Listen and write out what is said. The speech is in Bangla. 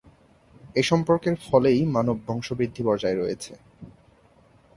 এই সম্পর্কের ফলেই মানব বংশবৃদ্ধি বজায় রয়েছে।